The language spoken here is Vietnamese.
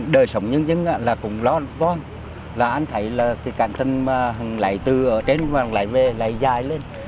đời sống nhân dân là cũng lo toan là anh thấy là cái cạnh tân mà hằng lấy từ ở trên và hằng lấy về lại dài lên